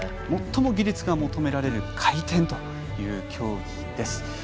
最も技術が求められる回転という競技です。